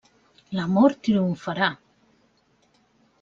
L'amor triomfarà.